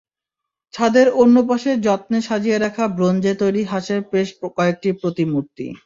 ছাদের অন্য পাশে যত্নে সাজিয়ে রাখা ব্রোঞ্জে তৈরি হাঁসের বেশ কয়েকটি প্রতিমূর্তি।